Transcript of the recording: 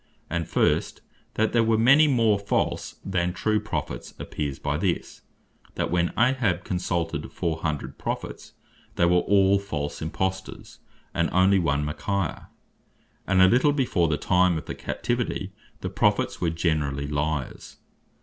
And first, that there were many more false than true Prophets, appears by this, that when Ahab (1 Kings 12.) consulted four hundred Prophets, they were all false Imposters, but onely one Michaiah. And a little before the time of the Captivity, the Prophets were generally lyars.